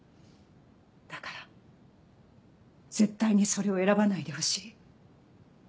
だから絶対にそれを選ばないでほしい。